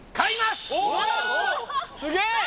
すげえ！